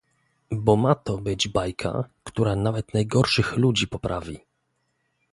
"Bo ma to być bajka, która nawet najgorszych ludzi poprawi."